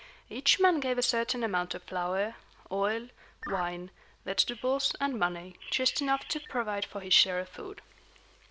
Each man gave a certain amount of flour, oil, wine, vegetables, and money, just enough to provide for his share of food.